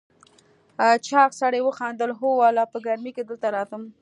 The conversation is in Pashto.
چاغ سړي وخندل: هو والله، په ګرمۍ کې دلته راځم.